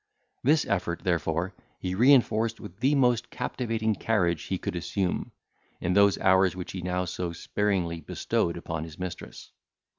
This effort, therefore, he reinforced with the most captivating carriage he could assume, in those hours which he now so sparingly bestowed upon his mistress.